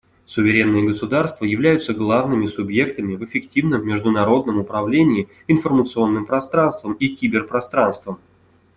Суверенные государства являются главными субъектами в эффективном международном управлении информационным пространством и киберпространством.